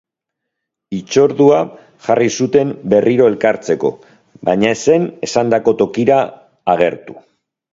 Hitzordua jarri zuten berriro elkartzeko, baina ez zen esandako tokira agertu.